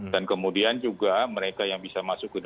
dan kemudian juga mereka yang bisa masuk